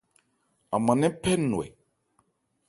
An man nɛ́n phɛ́ nnwɛ.